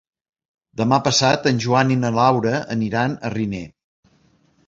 Demà passat en Joan i na Laura aniran a Riner.